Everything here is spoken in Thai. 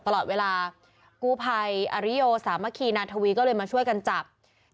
ตลอดเวลากู้ภัยอริโยสามัคคีนาทวีก็เลยมาช่วยกันจับ